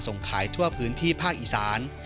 ส่งขายทั่วพื้นที่ภาคอีสาน